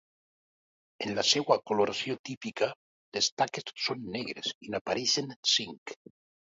En la seva coloració típica, les taques són negres i n'apareixen cinc.